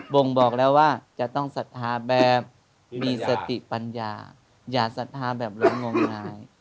่งบอกแล้วว่าจะต้องศรัทธาแบบมีสติปัญญาอย่าศรัทธาแบบหลงงมงาย